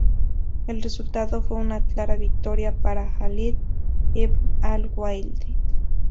El resultado fue una clara victoria para Jalid ibn al-Walid.